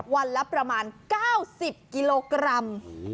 วันละประมาณ๙๐กิโลกรัม